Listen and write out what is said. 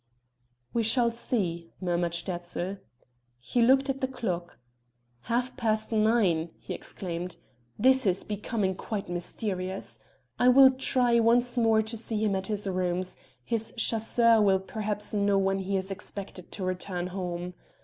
"We shall see," murmured Sterzl. He looked at the clock: "half past nine!" he exclaimed. "This is becoming quite mysterious. I will try once more to see him at his rooms; his chasseur will perhaps know when he is expected to return home.